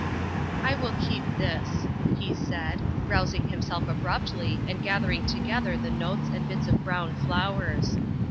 " I will keep this," he said, rousing himself abruptly and gathering together the notes and bits of brown flowers.